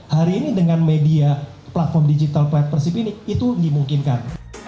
hari ini dengan media platform digital plat persib ini itu dimungkinkan